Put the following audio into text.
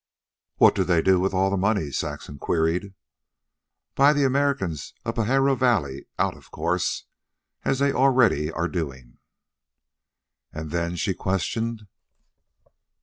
"What do they do with all the money?" Saxon queried. "Buy the Americans of Pajaro Valley out, of course, as they are already doing." "And then?" she questioned.